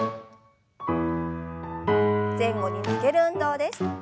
前後に曲げる運動です。